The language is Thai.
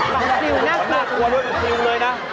น่ากลัวน่ากลัวด้วยซิวเลยนะ